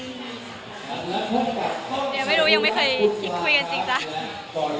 เดี๋ยวไม่รู้ยังไม่เคยคุยกันจริงนะคะ